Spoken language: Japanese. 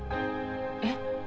えっ？